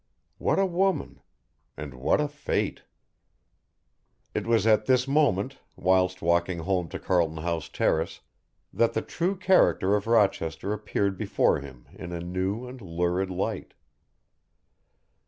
What a woman! and what a fate! It was at this moment, whilst walking home to Carlton House Terrace, that the true character of Rochester appeared before him in a new and lurid light.